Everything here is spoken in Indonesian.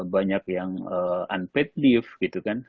banyak yang unpaid leave gitu kan